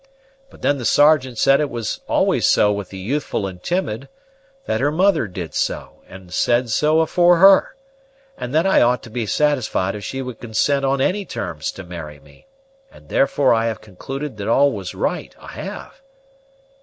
But then the Sergeant said it was always so with the youthful and timid; that her mother did so and said so afore her; and that I ought to be satisfied if she would consent on any terms to marry me, and therefore I have concluded that all was right, I have."